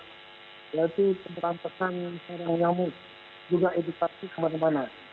berarti keberantakan yang nyamuk juga edukasi kemana mana